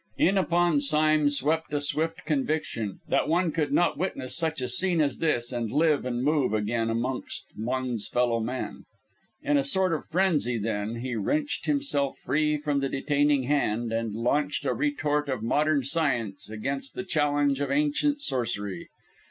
In upon Sime swept a swift conviction that one could not witness such a scene as this and live and move again amongst one's fellow men! In a sort of frenzy, then, he wrenched himself free from the detaining hand, and launched a retort of modern science against the challenge of ancient sorcery.